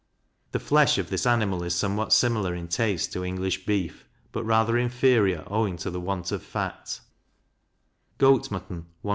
(the flesh of this animal is somewhat similar in taste to English beef, but rather inferior, owing to the want of fat); goat mutton 1s.